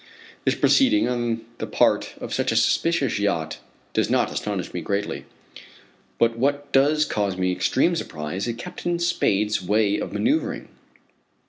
This proceeding on the part of such a suspicious yacht does not astonish me greatly. But what does cause me extreme surprise is Captain Spade's way of manoeuvring.